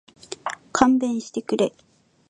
勘弁してくれ